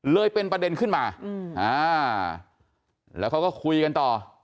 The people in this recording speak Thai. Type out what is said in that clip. เลยเป็นประเด็นขึ้นมาแล้วเขาก็คุยกันต่อ